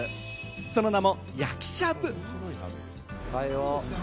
その名も焼きしゃぶ。